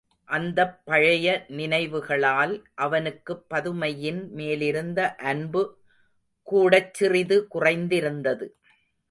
அந்தப் பழைய நினைவுகளால், அவனுக்குப் பதுமையின் மேலிருந்த அன்பு கூடச் சிறிது குறைந்திருந்தது.